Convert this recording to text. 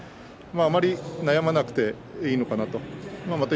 あまり悩まなくていいのかなと思います。